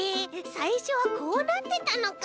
さいしょはこうなってたのか。